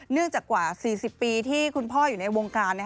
จากกว่า๔๐ปีที่คุณพ่ออยู่ในวงการ